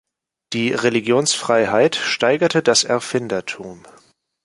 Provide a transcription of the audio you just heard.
Die Religionsfreiheit steigerte das Erfindertum.